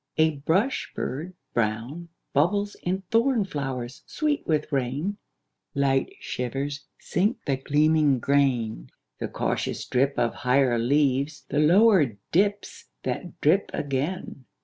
A brush bird brown Bubbles in thorn flowers sweet with rain; Light shivers sink the gleaming grain; The cautious drip of higher leaves The lower dips that drip again.